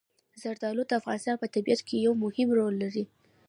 زردالو د افغانستان په طبیعت کې یو مهم رول لري.